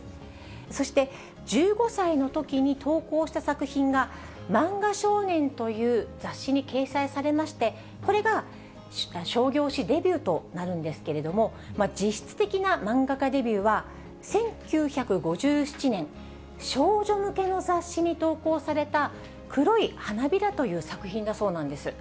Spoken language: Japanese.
そして１５歳のときに投稿した作品が漫画少年という雑誌に掲載されまして、これが商業誌デビューとなるんですけれども、実質的な漫画家デビューは１９５７年、少女向けの雑誌に投稿された、黒い花びらという作品だそうなんです。